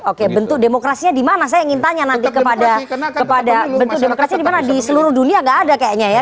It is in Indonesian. oke bentuk demokrasinya dimana saya ingin tanya nanti kepada bentuk demokrasi dimana di seluruh dunia gak ada kayaknya ya